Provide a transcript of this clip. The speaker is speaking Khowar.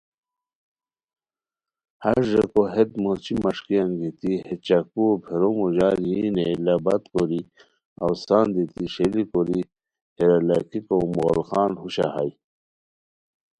ہݰ ریکو ہیت موچی مݰکی انگیتی ہے چاکوؤ پھیرو موڑار یی نیئے لاہت کوری اوسان دیتی ݰیلی کوری ہیرا لاکھیکو مغل خان ہوشہ ہائے